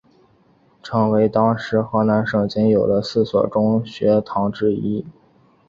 成为当时河南省仅有的四所中学堂之一。